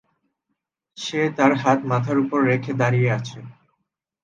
সে তার হাত মাথার উপর রেখে দাঁড়িয়ে আছে।